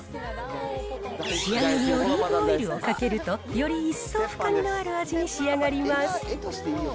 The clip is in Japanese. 仕上げにオリーブオイルをかけると、より一層深みのある味に仕上がります。